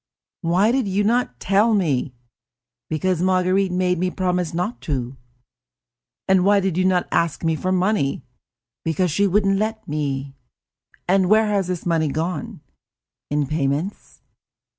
"I." "Why did you not tell me?" "Because Marguerite made me promise not to." "And why did you not ask me for money?" "Because she wouldn't let me." "And where has this money gone?" "In payments."